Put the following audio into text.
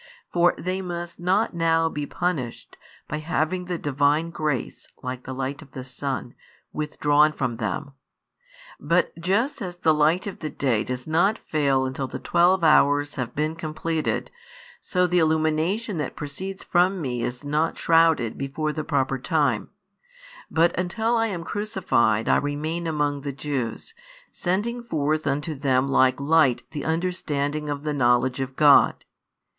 For they must not now be punished, by having the Divine grace (like the light of the sun) withdrawn from them. But just as the light of the day does not fail until the twelve hours have been completed, so the illumination that proceeds from Me is not shrouded before the proper time; but until I am crucified I remain among the Jews, sending forth unto them like light the understanding of the knowledge of God.